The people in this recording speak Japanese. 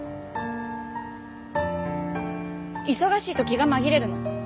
忙しいと気が紛れるの。